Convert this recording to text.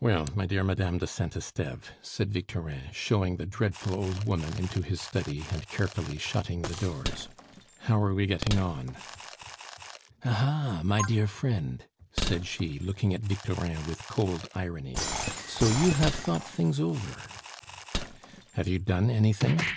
"Well, my dear Madame de Saint Esteve," said Victorin, showing the dreadful old woman into his study and carefully shutting the doors, "how are we getting on?" "Ah, ha! my dear friend," said she, looking at Victorin with cold irony. "So you have thought things over?" "Have you done anything?"